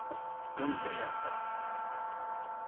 門前やったら。